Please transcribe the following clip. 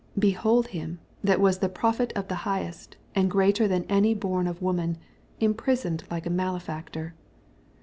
Behold him, that was the Prophet of the Highest, and greater than any born of woman, imprisoned like a malefactor